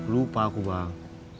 lupa aku bang